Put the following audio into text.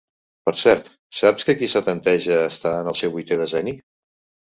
Per cert, saps que qui setanteja està en el seu vuitè decenni?